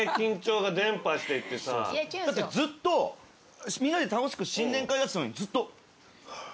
だってみんなで楽しく新年会やってたのにずっと。